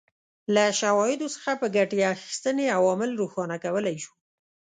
له شواهدو څخه په ګټې اخیستنې عوامل روښانه کولای شو.